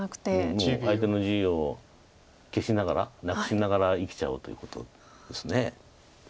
もう相手の地を消しながらなくしながら生きちゃおうということです。